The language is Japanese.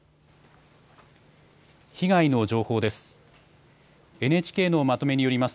被害の情報です。